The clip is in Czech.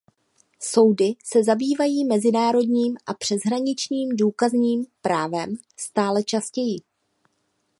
Soudy se zabývají mezinárodním a přeshraničním důkazním právem stále častěji.